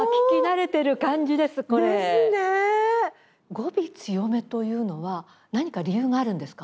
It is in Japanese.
語尾強めというのは何か理由があるんですか？